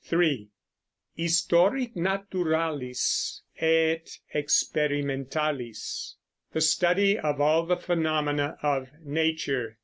3. Historic Naturalis et Experimentalis, the study of all the phenomena of nature.